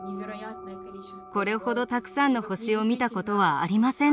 これほどたくさんの星を見たことはありませんでした。